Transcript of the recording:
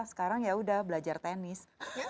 sekarang ya udah belajar tenis